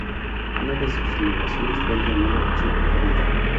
Una de sus innovaciones fue el llamado Chip Player.